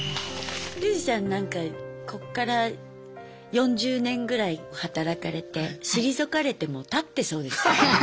ユージさんなんかこっから４０年ぐらい働かれて退かれても立ってそうですよね。